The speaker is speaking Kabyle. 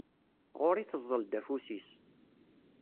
Ɣur-i teẓẓel-d afus-is.